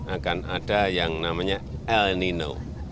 akan ada yang namanya el nino